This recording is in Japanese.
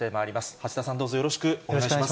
橋田さん、どうぞよろしくお願いします。